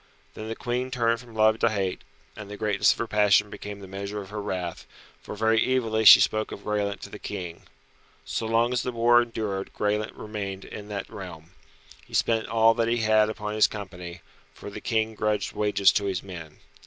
Then the Queen turned from love to hate, and the greatness of her passion became the measure of her wrath, for very evilly she spoke of Graelent to the King. So long as the war endured Graelent remained in that realm. He spent all that he had upon his company, for the King grudged wages to his men.